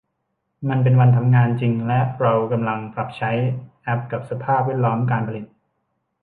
มันเป็นวันทำงานจริงและเรากำลังปรับใช้แอพกับสภาพแวดล้อมการผลิต